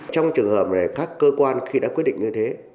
trong trường hợp này các cơ quan khi đã quyết định như thế